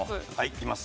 いきます。